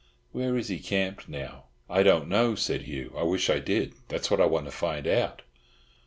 Where is he camped now?" "I don't know," said Hugh. "I wish I did. That's what I want to find out."